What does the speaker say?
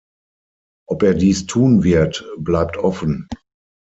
Ob er dies tun wird, bleibt offen.